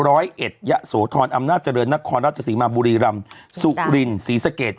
ร้อยเอ็ดยะโสธรอำนาจเจริญนครราชสีมาบุรีรำสุรินศรีสะเกด